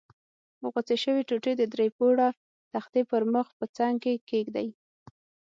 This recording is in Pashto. غوڅې شوې ټوټې د درې پوړه تختې پر مخ په څنګ کې کېږدئ.